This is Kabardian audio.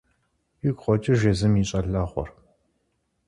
Игу къокӀыж езым и щӀалэгъуэр.